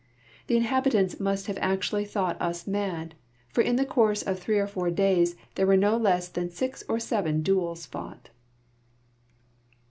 The inhabitants must have actually thought us mad, for in the course of three or four days there were no less than six or seven duels fought.